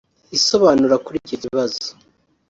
isobanura kuri icyo kibazo